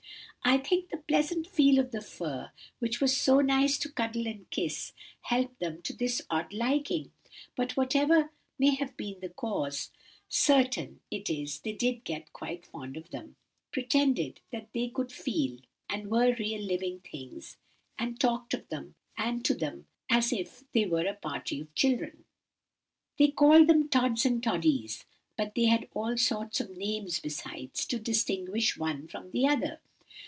I think the pleasant feel of the fur, which was so nice to cuddle and kiss, helped them to this odd liking; but whatever may have been the cause, certain it is they did get quite fond of them—pretended that they could feel, and were real living things, and talked of them, and to them, as if they were a party of children. "They called them 'Tods' and 'Toddies,' but they had all sorts of names besides, to distinguish one from the other.